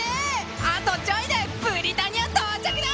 あとちょいでブリタニア到着だ！